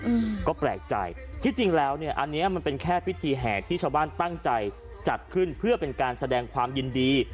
อืมก็แปลกใจที่จริงแล้วเนี้ยอันเนี้ยมันเป็นแค่พิธีแห่ที่ชาวบ้านตั้งใจจัดขึ้นเพื่อเป็นการแสดงความยินดี